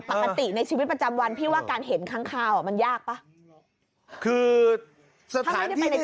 ปกติในชีวิตประจำวันพี่ว่าการเห็นค้างคาวมันยากป่ะคือสถานที่